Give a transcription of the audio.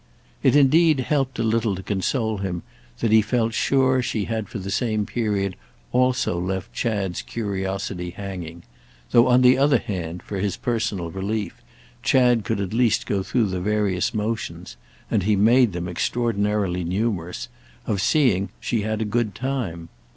It indeed helped a little to console him that he felt sure she had for the same period also left Chad's curiosity hanging; though on the other hand, for his personal relief, Chad could at least go through the various motions—and he made them extraordinarily numerous—of seeing she had a good time.